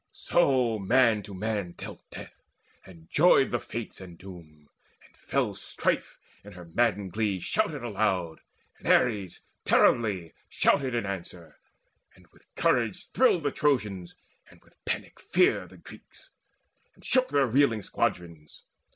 So man to man dealt death; and joyed the Fates And Doom, and fell Strife in her maddened glee Shouted aloud, and Ares terribly Shouted in answer, and with courage thrilled The Trojans, and with panic fear the Greeks, And shook their reeling squadrons.